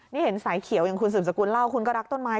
นี่เห็นสายเขียวอย่างคุณสืบสกุลเล่าคุณก็รักต้นไม้